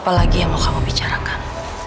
apalagi yang mau kamu bicarakan